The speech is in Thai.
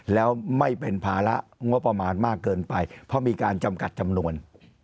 แล้วไม่เป็นภาระงบประมาณมากเกินไปเพราะมีการจำกัดจำนวน